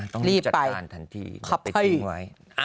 ต้องจัดการทันทีขับไปทิ้งไว้